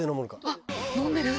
あっ飲んでる。